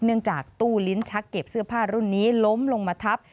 จากตู้ลิ้นชักเก็บเสื้อผ้ารุ่นนี้ล้มลงมาทับ